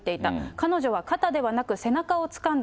彼女は肩ではなく、背中をつかんだ。